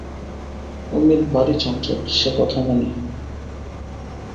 অমিত ভারি চঞ্চল, সে কথা মানি।